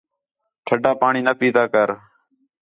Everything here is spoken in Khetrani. ٹھڈا پاݨی نہ پِیتا کر